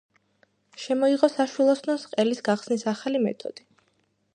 შემოიღო საშვილოსნოს ყელის გახსნის ახალი მეთოდი.